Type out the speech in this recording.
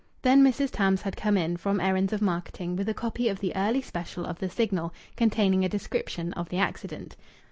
Then Mrs. Tams had come in, from errands of marketing, with a copy of the early special of the Signal, containing a description of the accident.